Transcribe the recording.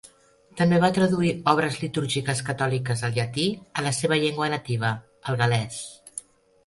També va traduir obres litúrgiques catòliques del llatí a la seva llengua nativa, el gal·lès.